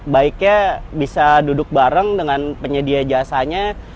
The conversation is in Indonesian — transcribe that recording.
baiknya bisa duduk bareng dengan penyedia jasanya